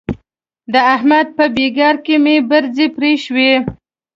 د احمد په بېګار کې مې برځې پرې شوې.